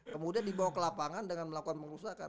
kemudian dibawa ke lapangan dengan melakukan pengusaha